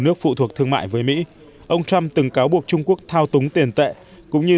nước phụ thuộc thương mại với mỹ ông trump từng cáo buộc trung quốc thao túng tiền tệ cũng như